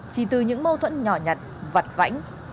chỉ từ những mâu thuẫn nhỏ nhặt vặt vãnh